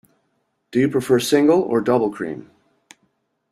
Do you prefer single or double cream?